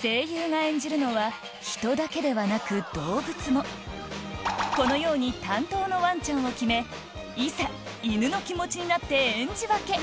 声優が演じるのは人だけではなく動物もこのように担当のワンちゃんを決めいざ犬の気持ちになって演じ分けクゥン。